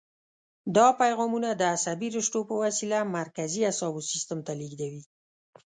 دا پیغامونه د عصبي رشتو په وسیله مرکزي اعصابو سیستم ته لېږدوي.